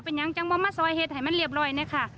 เป็นอย่างจังว่ามาซอยเหตุให้มันเรียบร้อยเนี่ยค่ะ